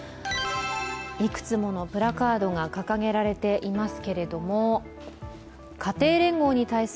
いくつものプラカードが掲げられています。